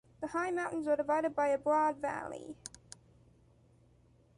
The high mountains are divided by a broad valley.